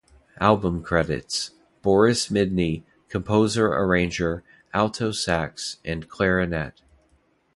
Album credits: Boris Midney composer-arranger, alto sax and clarinet.